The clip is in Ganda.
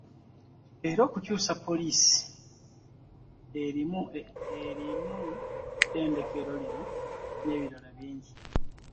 Era okukyusa poliisi eri mu ttendekero lino n'ebirala bingi.